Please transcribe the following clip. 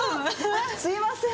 すみません